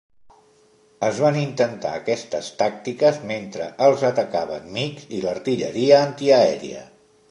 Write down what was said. Es van intentar aquestes tàctiques mentre els atacaven MiGs i l'artilleria antiaèria.